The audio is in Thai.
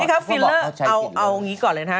ครับฟิลเลอร์เอาอย่างนี้ก่อนเลยนะครับ